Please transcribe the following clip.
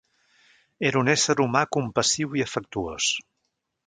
Era un ésser humà compassiu i afectuós.